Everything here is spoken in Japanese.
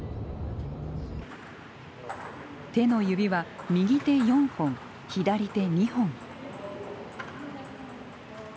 手の指は右手４本左手２本。